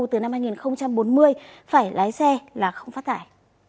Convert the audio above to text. từ năm hai nghìn bốn mươi phải lái xe là không phát tải